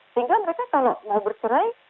sehingga mereka kalau mau bercerai